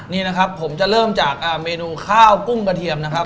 นี่นะครับผมจะเริ่มจากเมนูข้าวกุ้งกระเทียมนะครับ